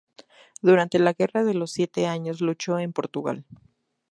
Durante la Guerra de los Siete Años luchó en Portugal.